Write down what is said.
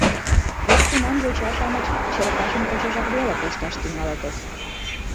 Вет тунам йоча-шамыч Черкашин почешак веле кошташ тӱҥалытыс.